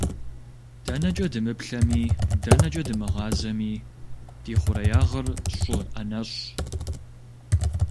ДэнэкӀэ дымыплъэми, дэнэкӀэ дымыгъазэми, ди хъуреягъыр щӀы ӏэнэщӀщ!